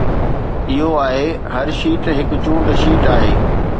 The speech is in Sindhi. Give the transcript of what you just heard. اهو آهي، هر شيٽ هڪ چونڊ شيٽ آهي